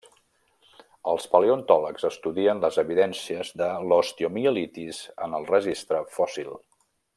Els paleontòlegs estudien les evidències de l'osteomielitis en el registre fòssil.